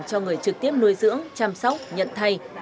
cho người trực tiếp nuôi dưỡng chăm sóc nhận thay